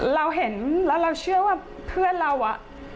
เราเห็นแล้วเราเชื่อว่าเพื่อนเราอะ